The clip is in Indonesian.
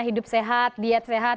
hidup sehat diet sehat